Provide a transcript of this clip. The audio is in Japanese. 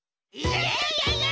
イエイ！